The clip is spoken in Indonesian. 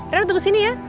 reina tunggu sini ya